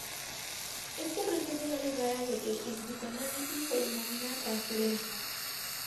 Este proceso da lugar a lo que en psicoanálisis se denomina transferencia.